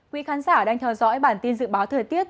quý khán giả đang theo dõi bản tin dự báo thời tiết